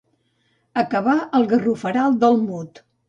Acabar al Garroferal del Mut.